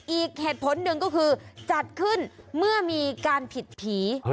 อีกเหตุผลหนึ่งก็คือจัดขึ้นเมื่อมีการผิดผี